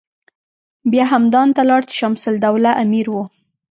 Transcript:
بیا همدان ته لاړ چې شمس الدوله امیر و.